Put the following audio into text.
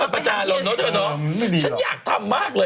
หัวคนประจานเล่นเนอะเธอ